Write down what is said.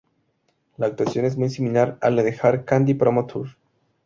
La actuación es muy similar a la del "Hard Candy Promo Tour".